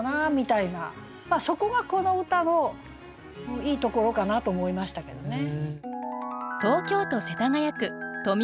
そこがこの歌のいいところかなと思いましたけどね。